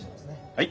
はい。